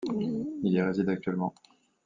Il y réside actuellement.